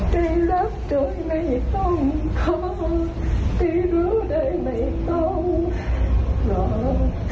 ได้รับโดยไม่ต้องขอได้รู้ได้ไม่ต้องรอ